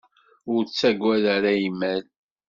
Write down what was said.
Ur ttagad ara imal!